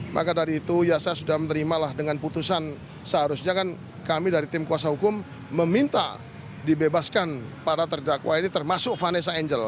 maka dari itu ya saya sudah menerimalah dengan putusan seharusnya kan kami dari tim kuasa hukum meminta dibebaskan para terdakwa ini termasuk vanessa angel